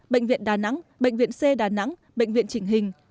bệnh viện đà nẵng bệnh viện c đà nẵng bệnh viện chỉnh hình